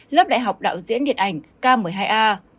lớp đại học đạo diễn điện ảnh k một mươi hai a